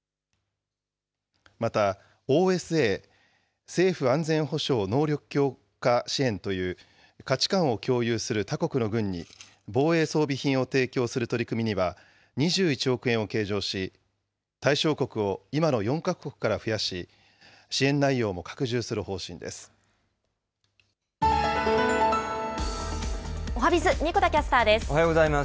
また、ＯＳＡ・政府安全保障能力強化支援という、価値観を共有する他国の軍に防衛装備品を提供する取り組みには２１億円を計上し、対象国を今の４か国から増やし、支援内容も拡充おはＢｉｚ、神子田キャスタおはようございます。